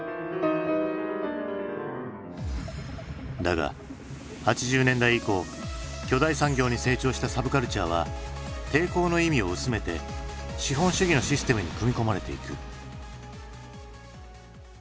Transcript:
だが８０年代以降巨大産業に成長したサブカルチャーは抵抗の意味を薄めて資本主義のシステムに組み込まれていく。